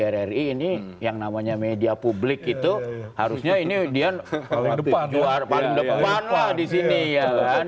ya di tvri rri ini yang namanya media publik itu harusnya ini dia juara paling depan lah di sini ya kan